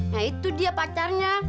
ya itu dia pacarnya